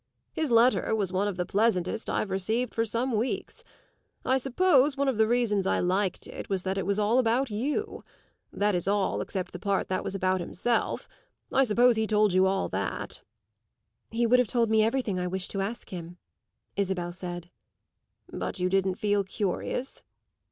"His letter was one of the pleasantest I've received for some weeks. I suppose one of the reasons I liked it was that it was all about you; that is all except the part that was about himself. I suppose he told you all that." "He would have told me everything I wished to ask him," Isabel said. "But you didn't feel curious?"